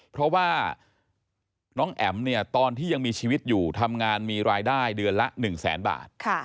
เพราะว่าน้องแอ๋มเนี่ยตอนที่ยังมีชีวิตอยู่ทำงานมีรายได้เดือนละ๑แสนบาท